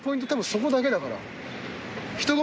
そこだけだから。